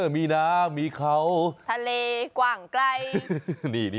มีน้ำมีเขาทะเลกว้างไกล